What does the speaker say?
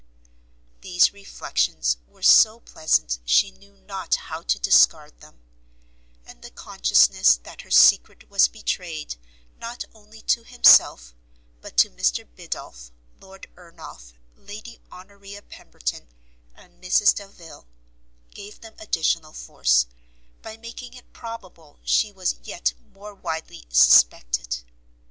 These reflections were so pleasant she knew not how to discard them; and the consciousness that her secret was betrayed not only to himself, but to Mr Biddulph, Lord Ernolf, Lady Honoria Pemberton, and Mrs Delvile, gave them additional force, by making it probable she was yet more widely suspected.